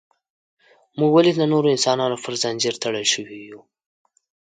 موږ ولې د نورو انسانانو پر زنځیر تړل شوي یو.